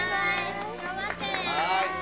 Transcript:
頑張ってね。